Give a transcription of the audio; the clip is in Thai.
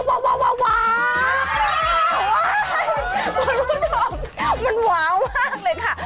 หมวดลวนลองมันหวามากเลยค่ะ